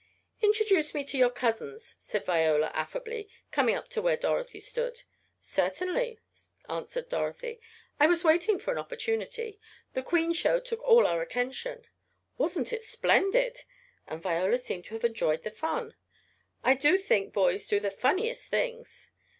"Introduce me to your cousins," said Viola affably, coming up to where Dorothy stood. "Certainly," answered Dorothy. "I was waiting for an opportunity. The queen show took all our attention." "Wasn't it splendid," and Viola seemed to have enjoyed the fun. "I do think boys do the funniest things."